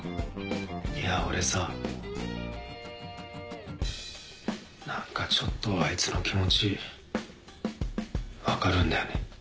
いや俺さ何かちょっとあいつの気持ち分かるんだよね。